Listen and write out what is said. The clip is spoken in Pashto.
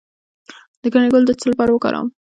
د ګنی ګل د څه لپاره وکاروم؟